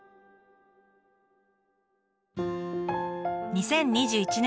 ２０２１年。